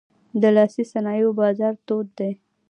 د لاسي صنایعو بازار تود دی.